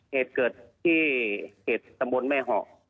เหตุเกิดที่เขตตำบลแม่เหาะ